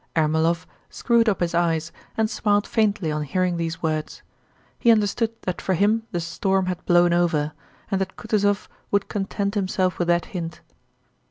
Ermólov screwed up his eyes and smiled faintly on hearing these words. He understood that for him the storm had blown over, and that Kutúzov would content himself with that hint.